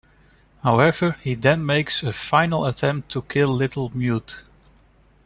However, he then makes a final attempt to kill Little Mute.